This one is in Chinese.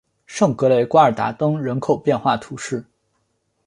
圣格雷瓜尔达登人口变化图示